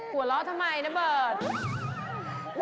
หัวเราะทำไมนะเบิร์ต